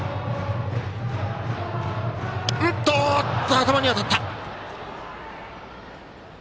頭に当たった！